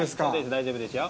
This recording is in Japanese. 大丈夫ですよ。